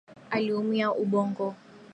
Aliumia ubongo